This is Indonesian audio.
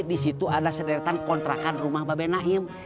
di situ ada sederetan kontrakan rumah mbak benaim